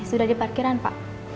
sudah di parkiran pak